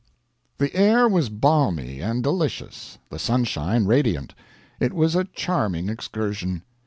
The air was balmy and delicious, the sunshine radiant; it was a charming excursion.